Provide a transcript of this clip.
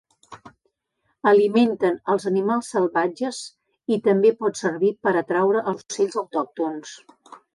Alimenten els animals salvatges i també pot servir per atraure els ocells autòctons.